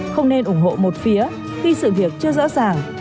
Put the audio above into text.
không nên ủng hộ một phía khi sự việc chưa rõ ràng